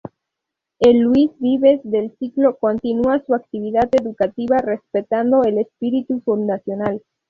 El "Luis Vives" del siglo continúa su actividad educativa respetando el espíritu fundacional.